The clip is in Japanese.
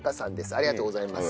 ありがとうございます。